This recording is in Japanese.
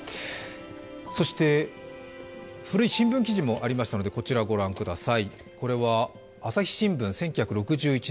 そして古い新聞記事もありましたので、こちら、ご覧ください。